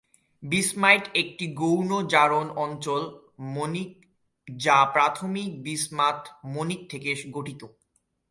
বিসমাইট একটি গৌণ জারণ অঞ্চল মণিক যা প্রাথমিক বিসমাথ মণিক থেকে গঠিত।